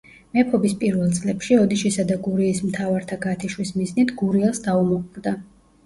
მეფობის პირველ წლებში, ოდიშისა და გურიის მთავართა გათიშვის მიზნით, გურიელს დაუმოყვრდა.